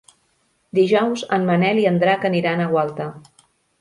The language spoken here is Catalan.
Dijous en Manel i en Drac aniran a Gualta.